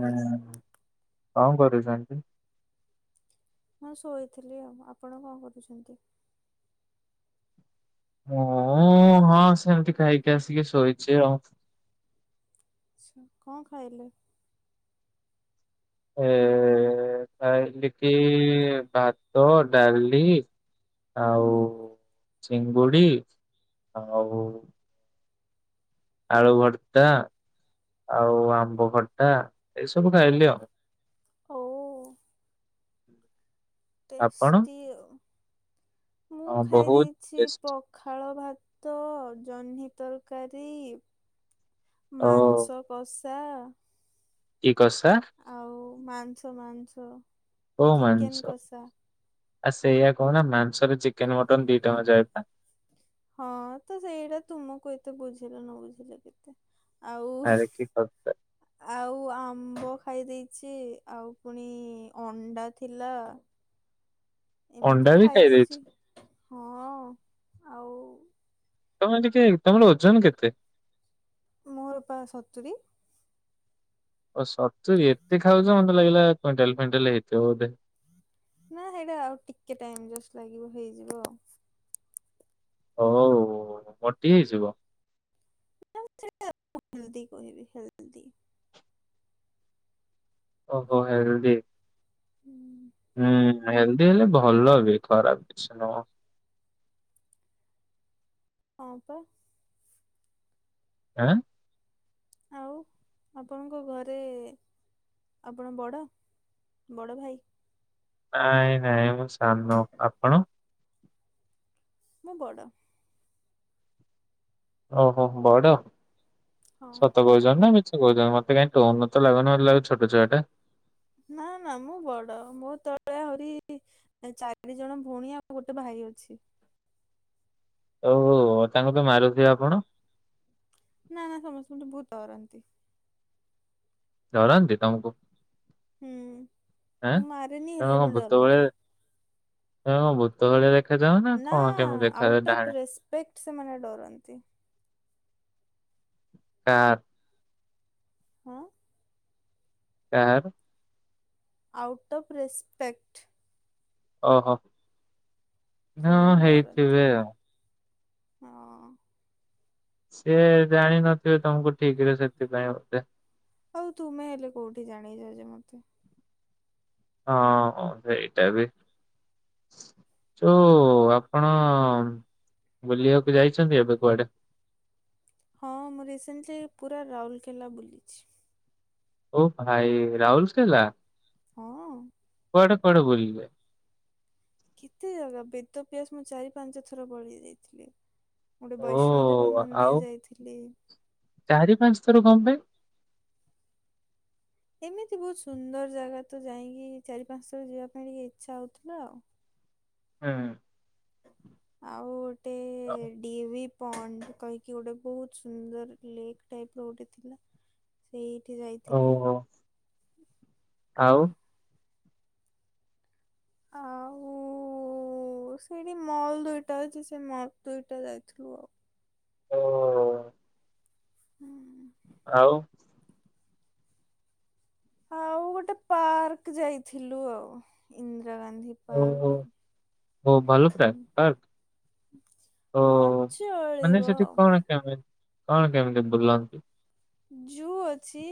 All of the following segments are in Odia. ହୁଁ କଣ କରୁଛନ୍ତି? ମୁଁ ଶୋଇଥିଲି ଆଉ ଆପଣ କଣ କରୁଛନ୍ତି? ମୁଁ ହଁ ସେମିତି ଖାଇକି ଆସିକି ଶୋଇଚି ଆଉ। ଚ୍ଛା କଣ ଖାଇଲେ? ଏ ଖାଇଲି କି ଭାତ ଡାଲି ଆଉ ହୁଁ। ଚିଙ୍ଗୁଡି ଆଉ ଆଳୁ ଭର୍ତ୍ତା ଆଉ ଆମ୍ବ ଖଟା ଏଇସବୁ ଖାଇଲି ଆଉ। ଓ ଆପଣ? ଟେଷ୍ଟି ଆଉ। ମୁଁ ହଁ ଖାଇ ବହୁତ ଦେଇେଚି ଟେଷ୍ଟି। ପଖାଳ ଭା ଭାତ ଜହ୍ନି ତରକାରୀ ଓ ମାଂସ କଷ ଷା। କି କଷା ଆଉ ମାଂସ ମାଂସ ଓ ମାଂସ। ଚିକେନ କଷା ଆଉ ସେଇଆା କହୁନ ମାଂସରେ ଚିକେନ ମଟନ୍ ଦି ଟାକ ଯାଏ ପା। ହଁ ତ ସେଇଟା ତୁମକୁ ଏତେ ବୁଝିଲା ନ ବୁଝିଲ କେତେ। ଆଉ ଆରେ କି କଥା ଆଉ ଆ ଆମ୍ବ ଖାଇ ଦେଇଚି ଆଉ ପୁଣି ଅଣ୍ଡା ଥିଲା। ଅଣ୍ଡା ଏମିତି ବି ଖାଇ ଦେଇଛି। ଦେଇେଚି ହଁ ଆଉ। ତମେ ଟିକେ ତମର ଓଜନ କେତେ? ମୋର ପା ସତୁରି ଓ ସତୁରି ଏତେ ଖାଉଛ ମତେ ଲାଗିଲା କୁଇଣ୍ଟାଲ ଫୁଇଣ୍ଟାଲ ହେଇଥିବ ବୋଧେ ନା ସେଇଟା ଆଉ ଟିକେ ଟାଇମ ଜଷ୍ଟ ଲାଗିବ ହେଇଯିବ ଆଉ ହଉ ମୋଟି ହେଇଯିବ। ହ ସେଇଟା ହେଲଦି କହିବେ ହେଲଦି। ଓହୋ ହୋ ହେଲଦି। ହୁଁ ହେଲଦି ହେଲେ ଭଲ ବି ଖରାପ କିଛି ନୁହଁ। ହଁ ପା। ଆଁ। ଆଉ ଆପଣଙ୍କ ଘରେ ଆପଣ ବଡ଼ ବଡ଼ ଭାଇ। ନାଇଁ ନାଇଁ ମମୁଁ ସାନ ଆପଣ? ମୁଁ ବଡ଼। ଓହୋ ବଡ। ହଁ ସତ କହୁଚ ନା ମିଛ। ହୁଛନ୍ତି ମତେ କାଇଁ ଟୋନରୁ ତ ଲାଗୁଛି ଛୋଟ ଛୁଆଟା ନା ନା ମୁଁ ବଡ ମୋ ତଳେ ଆହୁରି ଚାରି ଜଣ ଭଉଣୀ ଆଉ ଗୋଟେ ଭାଇ ଅଛି। ଓହୋ ତାଙ୍କୁ ତ ମାରୁଥିଵେ ଆପଣ? ନା ନା ସମସ୍ତଙ୍କ ଠୁ ବହୁତ ଡରନ୍ତି। ଡରନ୍ତି ତମକୁ? ହୁଁ ଆଁ ମୁଁ ମାରେନି ହେଲେ ବି ଡରନ୍ତି। ହଁ ଭୂତ ଭଳିଆ ଦେଖାଯାଅ ନା କଣ କେମିତି ଦେଖାଯାଅ ଆଉଟ୍ ଡାହାଣୀ ଅଫ ରେସପେକ୍ଟ ସେମାନେ ଡରନ୍ତି। ନାଁ। ହଁ କାହାର ଆଉଟ୍ ଅଫ୍ ରେସ୍ପେକ୍ଟ। ଓ ହୋ। ହଁ ସେମାନେ ଡରନ୍ତି ହେଇଥିବେ ଆଉ। ହଁ। ସେ ଜାଣିନଥିବେ ତମକୁ ଠିକ ରେ ସେଥିପାଇଁ ଗୋଟେ। ଆଉ ତୁମେ ହେଲେ କୋଉଠି ଜାଣେଇଛ ଯେମିତି। ହଁ ସେଇଟା ବି ଯୋଉ ଆପଣ ବୁଲିବାକୁ ଯାଇଛନ୍ତି ଏବେ କୁଆଡେ? ହଁ ମୁଁ ରିସେଣ୍ଟଲି ପୁରା ରାଉରକେଲା ବୁଲିଛି। ଓହ ଭାଇ ରାହୁଲ କେଲା ହଁ। କଆଡେ କୁଆଡେ ବଲିଲୁ। କେତେ ଜାଗା ବେଦ ପି୍ୟାସ ମୁଁ ଚାରି ପାଞ୍ଚ ଥର ବଢେଇ ଦେଇଥିଲି। ଗୋଟେ ଓ ବୈଷ୍ଣୋ ଦେବୀ ଆଉ ମନ୍ଦିର ଯାଇଥିଲି। ଚାରି ପାଞ୍ଚ ଥର କଣ ପାଇଁ? ଏମିତି ବହୁତ ସୁନ୍ଦର ଜାଗା ତ ଯାଇକି ଚାରି ପାଞ୍ଚ ଥର ଯିବା ପାଇଁ ଟିକେ ଇଚ୍ଛା ହଉଥିଲା ଆଉ। ହୁଁ। ଆଉ। ଟେ ଡିଭିି ପଣ୍ଡ କହିକି ଗୋଟେ ବହୁତ ସୁନ୍ଦର ଲେକ୍ ଟାଇପ ର ଗୋଟେ ଥିଲା ସେଇ ଉଠି ଯାଇଥିଲୁ ଓହୋ ହ ଆଉ ଆଉ ସେଇଠି ମଲ୍ ଦୁଇଟା ଅଛି ସେ ମଲ ଦୁଇଟା ଯାଇଥିଲୁ ଆଉ ଓ ହୁଁ ହଉ ଆଉ ଗୋଟେ ପାର୍କ ଯାଇଥିଲୁ ଆଉ ଇ ଓହୋ ହ ଭଲୁ ହୁଁ। ପ୍ରା କରକ ହଁ ଓ ଚଳିବ ମାନେ ସେଠ ଆଉ କଣ କେମ କଣ କେମିତି ବୁଲାନ୍ତିୁ ଜୁ ଅଛି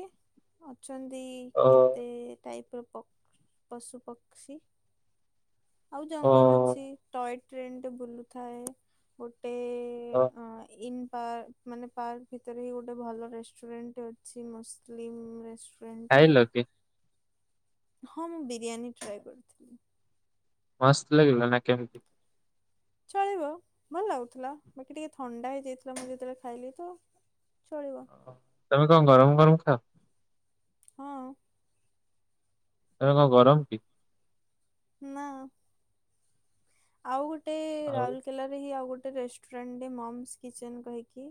ଅଛନ୍ତି ଓ କେତେ ଟାଇପ୍ ପ ପ ପଶୁ ପକ୍ଷୀ ଆଉ ଓ ଜଙ୍ଗଲ ଅଛି ଟଏ ଟ୍ରେନ୍ଟେ ବୁଲୁଥାଏ ଓ ହଁ। ପାର୍ ମାନେ ପାର୍କ ଭିତରେ ହିଁ ଗୋଟେ ଭଲ ରେଷ୍ଟୁରାଣ୍ଟ ଅଛି ମୁସଲିମ ଖାଇଲ କି। ହଁ ମୁଁ ବିରିୟାନୀ ଟ୍ରାଏ କରିଥିଲି। ମସ୍ ଲାଗିଲା ନା କେମିତି? ଚଳିବ ଭଲ ଲାଗୁଥିଲା ବାକି ଟିକେ ଥଣ୍ଡା ହେଇଯାଇଥିଲା ମୁଁ ଯେତେବେଳେ ଖାଇଲି ତ। ଚଳିବ। ଓ ତମେ କଣ ଗରମ ଗରମ ହଁ। ହଁ। ଏ କ ଗରମ କି ନା ଆଉ ଗୋଟେ ଗୋଟ ଆଉ ରାଉରକେଲାରେ ହିଁ ଆଉ ଗୋଟେ ଗୋଟେ ରେଷ୍ଟୁରାଣ୍ଟ ମମ୍ସ କିଚେନ୍ କହିକି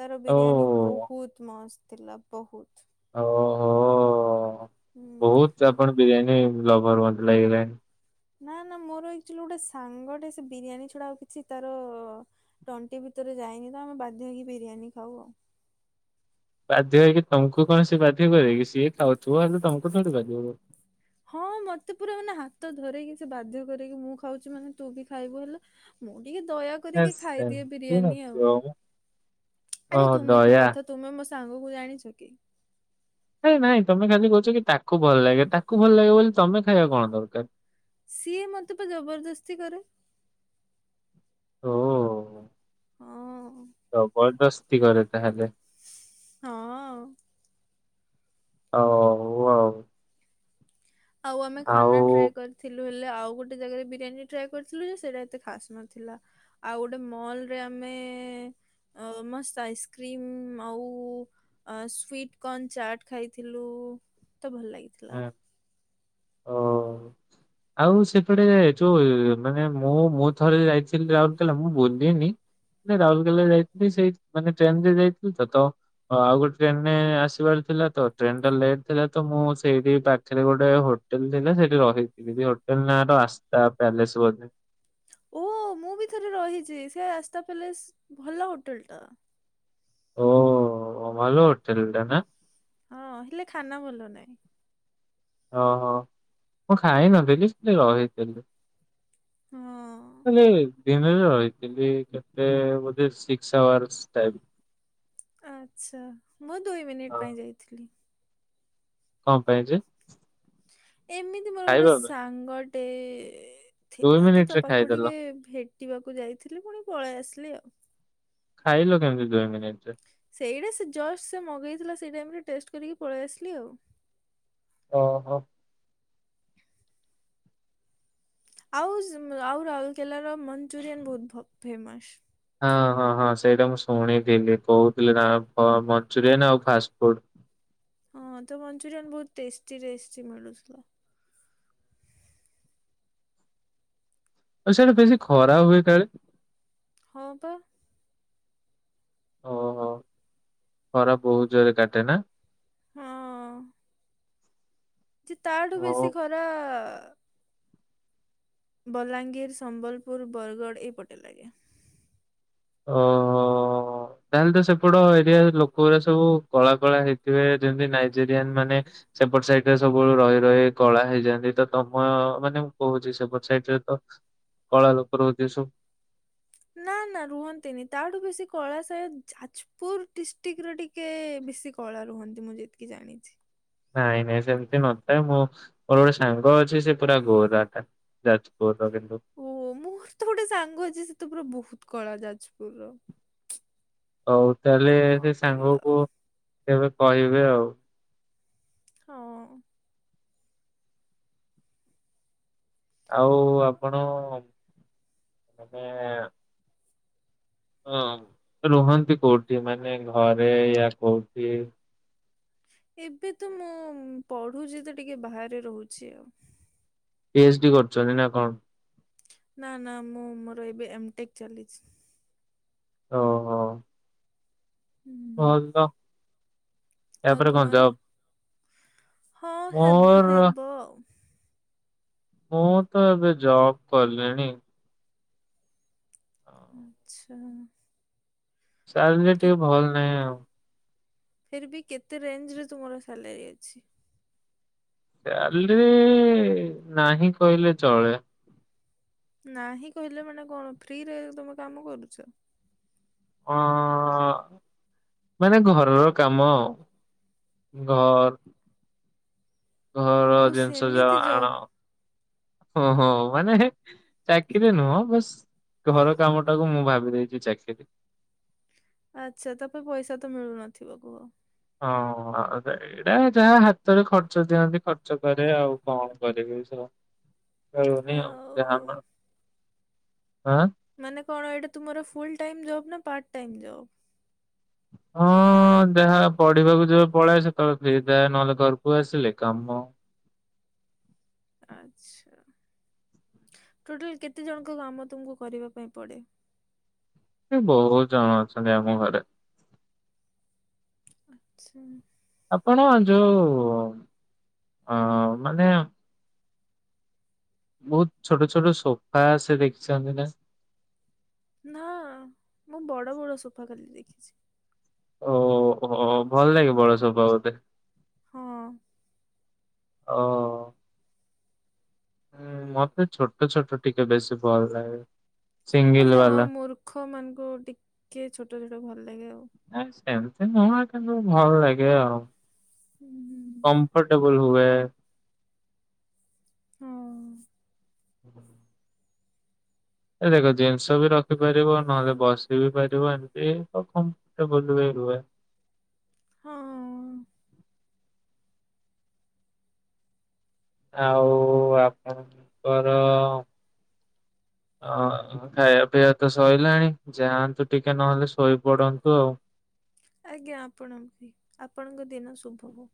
ତାର ବିରିୟାନୀ ଓ ବହୁତ ମସ୍ତ ଥିଲା ବହୁତ୍। ଓହୋ ହୁଁ। ବହୁତ୍ ଆପଣ ବିରିୟାନୀ ଜବର ମିଟି ଲାଗିଲାଣି। ନା ନା ମୋରଚୁଆଲି ଗୋଟେ ସାଙ୍ଗଟେ ସେ ବିରିୟାନୀ ଛଡା ଆଉ କିଛି ତାର ତଣ୍ଟି ଭିତରେ ଯାଇନି ତ ଆମେ ବାଧ୍ୟ ହେଇକି ବିରିୟାନୀ ଖାଉ ଆଉ। ବାଧ୍ୟ ହେକି ତମକୁ କଣ ସେ ବାଧ୍ୟ କରିବେକିି ସିଏ ଖାଉ ଥୁ ଆଲ ତମକୁ ଛାଡ଼ି ବାଧ୍ୟ କରେ ତ ଧରକି ସେ ବାଧ୍ୟ କରକି ମୁଁ ଖାଉଛି ମାନେ ତୁ ବି ଖାଇବୁ ହେଲେ ମୁଁ ଟିକେ ଦୟା କରିକି ହେସ୍ ଖାଇଦିଏ ସେମିତି ବିରିୟାନୀ ଆଉ ନଥିବ ମ ଆରେ ଓହୋ ତୁମେ କି ଦୟା କଥା ତୁମେ ମ ସାଙ୍ଗକୁ ଜାଣିଛ କି। ନାଇଁ ନାଇଁ ତମେ ଖାଲି କହୁଛ କି ତାକୁ ଭଲ ଲାଗେ ତାକୁ ଭଲ ଲାଗେ ବୋଲି ତମେ ଖାଇବା କଣ ଦରକାର। ସିଏ ମତେ ପା ଜବରଦସ୍ତି କରେ। ଓ ଓ ହଁ ଦସ୍ତି କରେ ତାହେଲେ। ହଁ। ହଉ ଆଉ। ଆଉ ଆମେ ଆଉ ଖାନା ଟ୍ରାଏ କରିଥିଲୁ ଆଉ ଗୋଟେ ଜାଗାରେ ବିରିୟାନୀ ଟ୍ରାଏ କରିଥିଲୁ ଯେ ସେଟା ଏତେ ଖାସ ନଥିଲା ଆଉ ଗୋଟେ ମଲରେ ଆମେ ଆଇସ୍କ୍ରି ଆଉ ସୁଟିଂ କନ୍ ଚାଟ ଖାଇଥିଲୁ। ମତେ ଭଲ ଲାଗିଥିଲା। ହୁଁ ଓ ଆଉ ସେପଟେ ଯୋଉ ମାନେ ମୁଁ ମୁଁ ଥରେ ଯାଇଥିଲି ରାଉରକେଲା ମୁଁ ବୁଲିିନି ରାଉରକେଲା ଯାଇଥିଲି ସେଇ ମାନେ ଟ୍ରେନ ରେ ଯାଇଥିଲି ତ ତ ଆଉ ଗୋଟେ ଟ୍ରେନରେ ଆସିବାର ଥିଲା ତ ଟ୍ରେନ ଟା ଲେଟ ଥିଲା ତ ମୁଁ ସେଇଠି ପାଖରେ ଗୋଟେ ହୋଟେଲ ଥିଲା ସେ ରହିଥିଲି ହୋଟେଲ ନାଁ ର ରାସ୍ତା ପ୍ୟାଲେସ ବୋଧେ ଓ ମୁଁ ବି ଥରେ ରହିଛି ସେ ରାସ୍ତା ପଲେସ୍ ଭଲ ହୋଟେଲ ଟା, ଓ ଭଲ ହୋଟେଲ୍ ଟେ ନା। ହଁ ହେଲେ ଖାନା ଭଲ ନାଇଁ। ଓହୋ ମୁଁ ଖାଇନଥିଲି ସେଟି ରହିଥିଲି। ହଁ [unintelligible] ଦିନରେ ରହିଥିଲି କେତେ ବୋଧେ ସିକ୍ସ ଆୱାର୍ସ ଟାଇ ଆଛା ମୁଁ ଦୁଇ ମିନିଟ୍ ହଁ ପାଇଁ ଯାଇଥିଲି। କଣ ପାଇଁ ଯେ ଏମିତି ମୋର ଗୋଟେ ଖାଇବା ପାଇଁ ସାଙ୍ଗ ଟେ ଏ ଦୁଇ ଥିଲା ତ ତା ମିନିଟରେ ପାଖକୁ ଖାଇଦେଲ। ଟିକେ ଭେଟିବାକୁ ଯାଇଥିଲି ପୁଣି ପଳେଇ ଆସିଲି ଆଉ। ଖାଇଲ କେମିତି ଦୁଇ ମିନିଟିରେ। ସେଇଟା ସେ ଯଷ୍ଟ ସେ ମଗେଇଥିଲା ସୋଇ ଟାଇମ୍ ରେ ଟେଷ୍ଟେ କରିକି ପଳେଇ ଆସିଲି ଆଉ। ଓ ହୋ। ଆଉ ଆଉ ରାଉରକେଲାର ମଞ୍ଚୁରିଆନ ବହୁତ ଫେମସ୍। ହଁ ହଁ ହଁ ସେଇଟା ମୁଁ ଶୁଣିଥିଲି କହୁଥିଲି ନା ମଞ୍ଚୁରିଆ ଆଉ ଫାଷ୍ଟ ଫୁଡ୍ ହଁ ତ ମଞ୍ଚୁରିୟନ ବହୁତ୍ ଟେଷ୍ଟି ଟେଷ୍ଟି ମିଳୁଥିଲା। ଆଉ ସିଆଡ଼େ ବେଶୀ ଖରା ହୁଏ କାଳେ। ହଁ ପା। ଓହୋ ଖରା ବହୁତ ଜୋରେ କାଟେ ନା? ହଁ। ଯେ ତାଠୁ ହଁ। ବେଶୀ ଖରା ବଲାଙ୍ଗୀର ସମ୍ବଲପୁର ବରଗଡ଼ ଏପଟେ ଲାଗେ ଓ ତାହେଲେ ତ ସେପଟ ଏରିଆ ଲୋକଗୁରା ସବୁ କଳା କଳା ହେଇଥିବେ, ଯେମିତି ନାଇଜେରିଆନ୍ ମାନେ ସେପଟ ସାଇଡ୍‌ ରେ ସବୁ ରହି ରହି କଳା ହେଇଯାଆନ୍ତି, ତ ତମ ମାନେ ମୁଁ କହୁଚି ସେପଟ ସାଇଡ୍‌ କଳା ଲୋକ ରୁହନ୍ତି ସ ନା ନା ରୁହନ୍ତିନି ତାଠୁ ବେଶୀ କଳା ସାୟଦ୍ ଯାଜପୁର ଡିଷ୍ଟକର ଟିକେ ବେଶୀ କଳା ରୁହନ୍ତି ମୁଁ ଯେତିକି ଜାଣିଚି। ନାଇଁ ନାଇଁ ସେମିତି ନଥାଏ। ମୁଁ ମୋର ଗୋଟେ ସାଙ୍ଗ ଅଛି ସେ ପୁରା ଗୋରାଟା ଯାଜପୁର ଓ ମୋର ତ ଗୋଟେ ସାଙ୍ଗ ଅଛି ସେତ ପୁରା ବହୁତ କଳା ଯାଜପୁରର। ହଉ। ତାହେଲେ କଣ ସେ କରିବା ସାଙ୍ଗକୁ କେବେ କହିବେ ଆଉ। ହଁ। ଆଉ ହଁ ଆପଣ ମାନେ ହଁ ରୁହନ୍ତି କୋଉଠି ମାନେ ଘରେ ୟା କୋଉଠି? ଏବେ ତ ମୁଁ ପଢୁଛି ତ ଟିକେ ବାହାରେ ରହୁଛି ଆଉ। ପି ଏଚ୍ ଡି କରୁଛନ୍ତି ନା କଣ? ନା ନା ମୁଁ ମୋର ଏବେ ଏମଟେକ୍ ଚାଲିଛି। ଓହୋ। ହୁଁ [unintelligible] ୟା ଆଉ ପରେ କଣ ତୁମର ଜବ୍? ହଁ ହେବ୍ ମୋର ହେବ ଆଉ। ମୁଁ ତ ଏବେ ଜବ୍ କଲିଣି। ଆଚ୍ଛା। ସାଲରି ଟିକେ ଭଲ ନାହିଁ ଆଉ। ଫିର୍ବି କେତେ ରେଞ୍ଜରେ ତୁମର ସାଲାରି ଅଛି? ସାଲରି ନାହିଁ କହିଲେ ଚଳେ। ନାହିଁ କହିଲେ ମାନେ କଣ ଫ୍ରିରେ ତମେ କାମ କରୁଚ? ଅଁ ମାନେ ଘରର କାମ ଘର୍ ଘର ଓ ଜିନିଷ ଯାଅ ସେମିତି ଆଣ ଜବ୍ ଓହୋ ମାନେ ଚାକିରି ନୁହଁ ବାସ୍ ଘର କାମ ଟାକୁ ମୁଁ ଭାବି ଦେଇଛି ଚାକିରି। ଆଚ୍ଛା ତାପାଇଁ ପଇସା ତ ମିଳୁନଥିବ କୁହ। ହଁ ଆଉ [unintelligible] ଏଇଟା ଯାହା ହାତରେ ଖର୍ଚ୍ଚ ଦିଅନ୍ତି ଖର୍ଚ୍ଚ କରେ ଆଉ କଣ କରିବି ସ ସହି ହଉନି ଆଉ [unintelligible] ଆଁ? ମାନେ କଣ ଏଇଟା ତୁମର ଫୁଲ୍‌ ଟାଇମ୍ ଜବ୍ ନା ପାର୍ଟ ଟାଇମ୍ ଜବ୍? ହଁ ଯାହା ପଢିବାକୁ ଯେବେ ପଳାଏ ସେତେବେଳେ ଫ୍ରି ଥାଏ ନହେଲେ ଘରକୁ ଆସିଲେ କାମ। ଆଚ୍ଛା ଟୋଟାଲ କେତେ ଜଣଙ୍କ କାମ ତୁମକୁ କରିବା ପାଇଁ ପଡ଼େ? ହୁଁ ବହୁତ ଜଣ ଅଛନ୍ତି ଆମ ଘରେ। ଆଚ୍ଛା। ଆପଣ ଯୋଉ ଅଁ ମାନେ ବହୁତ ଛୋଟ ଛୋଟ ସୋଫା ଆସେ ଦେଖିଛନ୍ତି ନା? ନା ମୁଁ ବଡ଼ ବଡ଼ ସୋଫା ଖାଲି ଦେଖିଛି। ଓହୋ ଭଲ ଲାଗେ ବଡ ସୋଫା ବୋଧେ। ହଁ। ଅହ। ହୁଁ ମତେ ଛୋଟ ଛୋଟ ଟିକେ ବେଶୀ ଭଲଲାଗେ। ଆଚ୍ଛା ମୂର୍ଖ ମାନକୁ ଟିକେ ଛୋଟ ଛୋ ଭଲ ଲାଗେ ଆଉ। ନାଇ ସେମତି ନୁହ କିନ୍ତୁ ଭଲ ଲାଗେ ଆଉ। ହୁଁ କମ୍ଫର୍ଟେବ ଫୁଲ ହୁଏ। ହଁ। ହୁଁ। ଆରେ ଦେଖ ଜିନିଷ ବି ରଖିପାରିବ ନହେଲେ ବସି ବି ପାରିବ ଏମିତି ହ କମ୍ପଟେବଲ ବି ରୁହେ। ହଁ। ଆଉ ଆପଣଙ୍କର ଅ ଖାଇବା ପିଇବା ତ ସଇଲାଣି ଯାଆନ୍ତୁ ଟିକେ ନହେଲେ ଶୋଇପଡନ୍ତୁ ଆଉ। ଆଜ୍ଞା ଆପଣଙ୍କ ବି ଆପଣଙ୍କ ଦିନ ଶୁଭ ହଉ।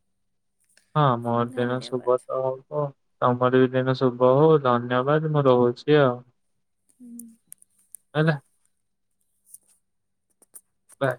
ହଁ ମୋରଦିନ ଶୁଭ ଧନ୍ୟବାଦ। ତ ହବ। ତମର ବି ଦିନ ଶୁଭ ହଉ ଧନ୍ୟବାଦ ମୁଁ ରହୁଛି ଆଉ। ହୁଁ। ରହିଲା ବାଏ।